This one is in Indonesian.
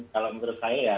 kalau menurut saya ya